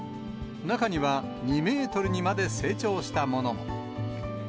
中には、２メートルにまで成長したものも。